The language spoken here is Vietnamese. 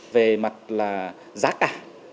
về mặt là giá cả